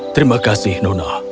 terima kasih nona